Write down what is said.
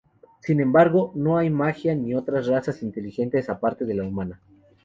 Sin embargo, no hay magia ni otras razas inteligentes aparte de la humana.